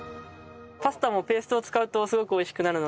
パスタもペーストを使うとすごく美味しくなるので。